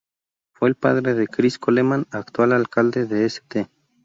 Fue el padre de Chris Coleman, actual alcalde de St.